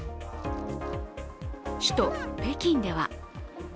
首都・北京では。